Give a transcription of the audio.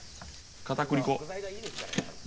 片栗粉。